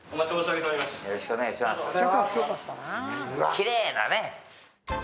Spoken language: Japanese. きれいだね。